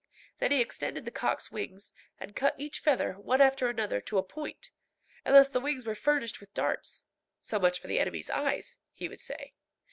Then he extended the cock's wings, and cut each feather, one after another, to a point, and thus the wings were furnished with darts. So much for the enemy's eyes, he would say.